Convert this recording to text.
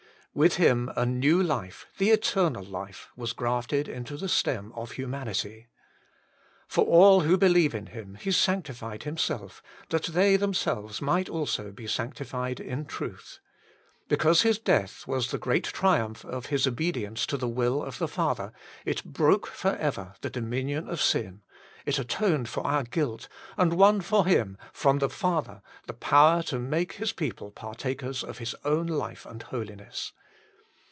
With Him a new life, the Eternal Life, was grafted into the stem of humanity. For all who believe in Him, He sanctified Himself, that they themselves might also be sanctified in truth. Because His death was the great triumph of His obedience to the will of the Father, it broke for ever the dominion of sin, it atoned for our guilt, and won for Him from the Father the power to make His people partakers of His own life and holiness.